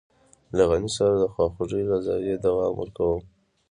له غني سره د خواخوږۍ له زاويې دوام ورکوم.